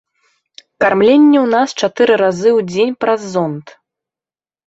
Кармленне ў нас чатыры разы ў дзень праз зонд.